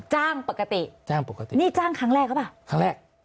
จ้างปกติจ้างปกตินี่จ้างครั้งแรกหรือเปล่าครั้งแรก